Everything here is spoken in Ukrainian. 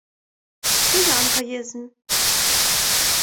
— Киянка єсмь.